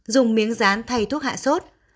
dùng miếng rán thay thuốc hạt